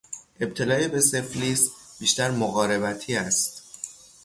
ابتلای به سفلیس بیشتر مقاربتی است.